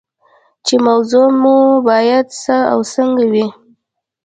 چې موضوع مو باید څه او څنګه وي.